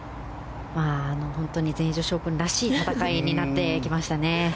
本当に全英女子オープンらしい戦いになってきましたね。